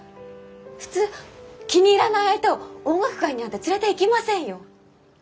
普通気に入らない相手を音楽会になんて連れていきませんよ！